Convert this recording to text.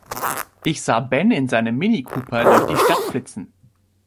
Ich sah Ben in seinem Mini Cooper durch die Stadt flitzen.